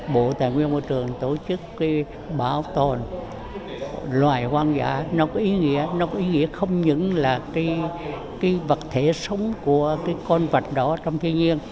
bộ tài nguyên và môi trường tổ chức bảo tồn loài hoang dã có ý nghĩa không những là vật thể sống của con vật đó trong thiên nhiên